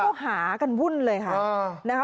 เขาก็หากันวุ่นเลยค่ะ